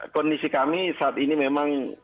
kondisi kami saat ini memang